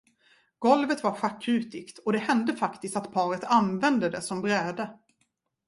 Golvet var schackrutigt och det hände faktiskt att paret använde det som bräde.